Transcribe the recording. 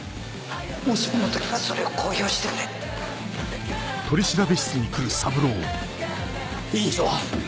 もしもの時はそれを公表してくれ院長。